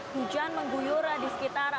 hujan mengguyur di sekitar